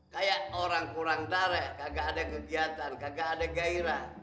kayak orang kurang darat kagak ada kegiatan kagak ada gairah